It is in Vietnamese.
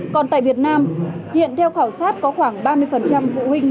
còn tại việt nam hiện theo khảo sát có khoảng ba mươi phụ huynh